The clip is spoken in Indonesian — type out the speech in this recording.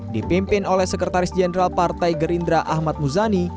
dipimpin oleh sekretaris jenderal partai gerindra ahmad muzani